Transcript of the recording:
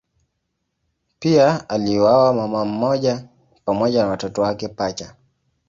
Pia aliuawa mama mmoja pamoja na watoto wake pacha.